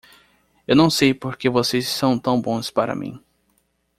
Eu não sei porque vocês são tão bons para mim.